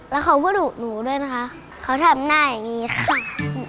แล้วเขาก็ดุหนูด้วยนะคะเขาทำหน้าอย่างนี้ค่ะ